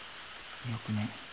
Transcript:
よくねえ。